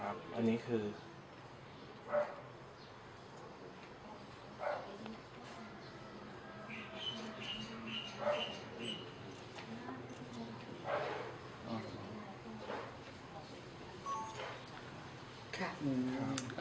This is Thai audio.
แล้วบอกว่าไม่รู้นะ